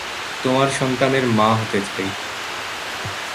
তোমার সন্তানের মা হতে চাই।